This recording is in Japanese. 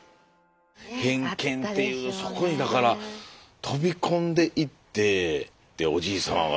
偏見っていうそこにだから飛び込んでいっておじいさまは。